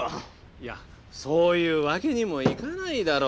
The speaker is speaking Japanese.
いやそういうわけにもいかないだろ。